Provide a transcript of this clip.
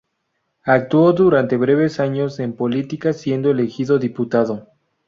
Actuó durante breves años en política siendo elegido diputado.